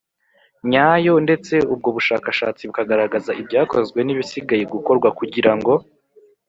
nyayo ndetse ubwo bushakashatsi bukagaragaza ibyakozwe n ibisigaye gukorwa kugira ngo